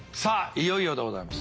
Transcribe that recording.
いよいよでございます。